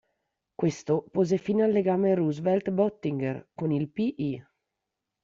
Questo pose fine al legame Roosevelt-Boettiger con il "P-I".